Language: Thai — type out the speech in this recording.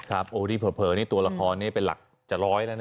โอ้ที่เผลอนี่ตัวละครนี่เป็นหลักจะร้อยแล้วนะ